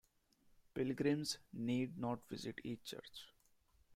Pilgrims need not visit each church.